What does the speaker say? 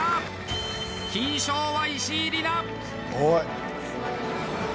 金賞は、石井里奈！